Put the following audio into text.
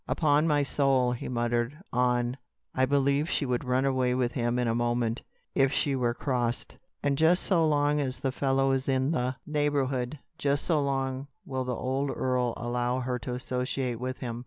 "Upon my soul," he muttered on, "I believe she would run away with him in a moment, if she were crossed. And just so long as the fellow is in the neighborhood, just so long will the old earl allow her to associate with him.